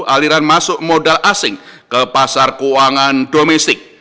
aliran masuk modal asing ke pasar keuangan domestik